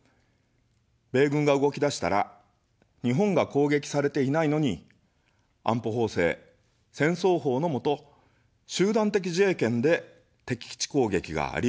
米軍が動き出したら、日本が攻撃されていないのに、安保法制、戦争法のもと、集団的自衛権で敵基地攻撃がありうるというのです。